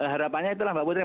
harapannya itulah mbak putri